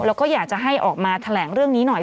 แล้วก็อยากจะให้ออกมาแถลงเรื่องนี้หน่อย